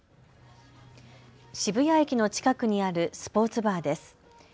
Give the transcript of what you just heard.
渋谷駅の近くにあるスポーツバーです。